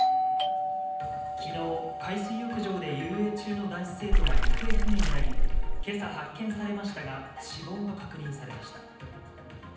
きのう、海水浴場で遊泳中の男子生徒が行方不明になり、けさ発見されましたが、死亡が確認されました。